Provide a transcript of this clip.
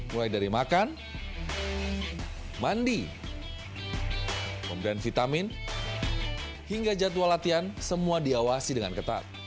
mulai dari makan mandi pemberian vitamin hingga jadwal latihan semua diawasi dengan ketat